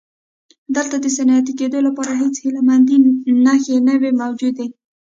دلته د صنعتي کېدو لپاره هېڅ هیله مندۍ نښې نه وې موجودې.